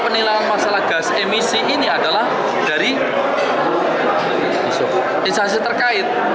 penilangan masalah gas emisi ini adalah dari insansi terkait